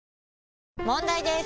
問題です！